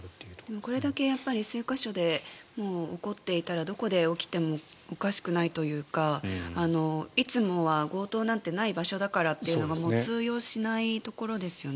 これだけ数か所で起こっていたらどこで起きてもおかしくないというかいつもは強盗なんてない場所だからっていうのがもう通用しないところですよね。